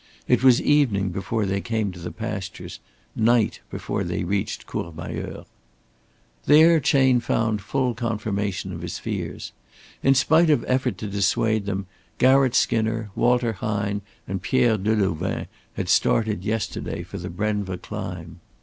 It was evening before they came to the pastures, night before they reached Courmayeur. There Chayne found full confirmation of his fears. In spite of effort to dissuade them, Garratt Skinner, Walter Hine and Pierre Delouvain had started yesterday for the Brenva climb.